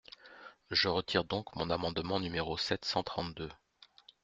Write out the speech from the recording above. Je retire donc mon amendement numéro sept cent trente-deux.